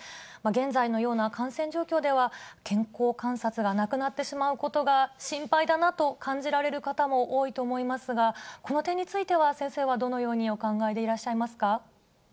現在のような感染状況では、健康観察がなくなってしまうことが心配だなと感じられる方も多いと思いますが、この点については、先生はどのようにお考えでいらっしゃいますか。